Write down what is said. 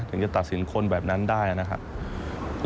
ถึงจะตัดสินคนแบบนั้นได้นะครับ